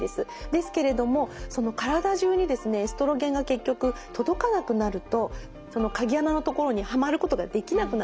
ですけれどもその体中にですねエストロゲンが結局届かなくなると鍵穴のところにはまることができなくなってしまう。